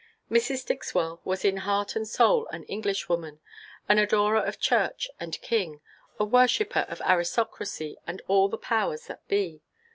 Mrs. Dixwell was in heart and soul an Englishwoman, an adorer of church and king, a worshipper of aristocracy and all the powers that be.